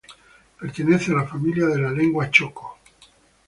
Pertenece a la familia de la lengua Choco.